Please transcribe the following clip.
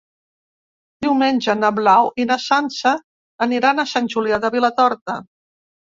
Diumenge na Blau i na Sança aniran a Sant Julià de Vilatorta.